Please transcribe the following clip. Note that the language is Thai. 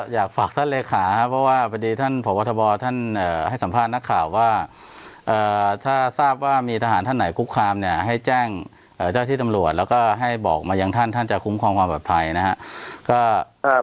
อยากฝากท่านเลขาเพราะว่าพอดีท่านพบทบท่านให้สัมภาษณ์นักข่าวว่าถ้าทราบว่ามีทหารท่านไหนคุกคามเนี่ยให้แจ้งเจ้าที่ตำรวจแล้วก็ให้บอกมายังท่านท่านจะคุ้มครองความปลอดภัยนะครับ